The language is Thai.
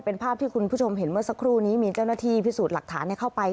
เป็นภาพที่คุณผู้ชมเห็นเมื่อสักครู่นี้มีเจ้าหน้าที่พิสูจน์หลักฐานเข้าไป